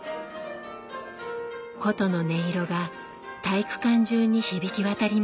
箏の音色が体育館中に響き渡りました。